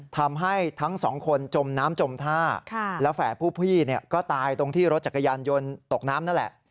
ทำให้ทั้งสองคนจมน้ำจมท่าแล้วแฝดผู้พี่ก็ตายตรงที่รถจักรยานยนต์ตกน้ำนั่นแหละ